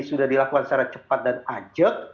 sudah dilakukan secara cepat dan ajak